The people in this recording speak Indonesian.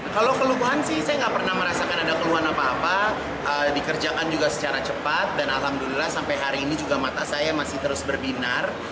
kalau keluhan sih saya nggak pernah merasakan ada keluhan apa apa dikerjakan juga secara cepat dan alhamdulillah sampai hari ini juga mata saya masih terus berbinar